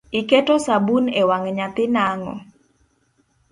Iketo sabun ewang’ nyathi nang’o?